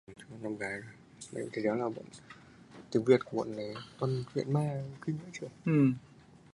Em với Thảo có đi ăn chè